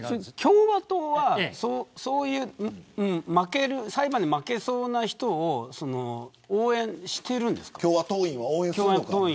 共和党は裁判で負けそうな人を応援しているんですか。